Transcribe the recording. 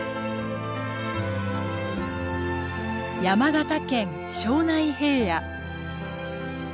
山形県庄内平野。